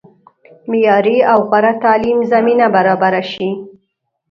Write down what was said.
معیاري او غوره تعلیم زمینه برابره شي.